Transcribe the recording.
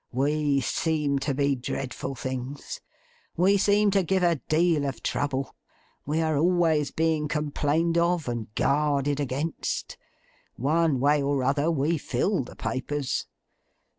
We seem to be dreadful things; we seem to give a deal of trouble; we are always being complained of and guarded against. One way or other, we fill the papers.